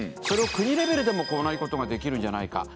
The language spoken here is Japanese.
それを国レベルでも同じことができるんじゃないか。